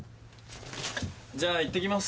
じゃあいってきます。